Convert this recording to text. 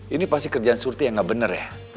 ini pasti kerjaan surti yang gak bener ya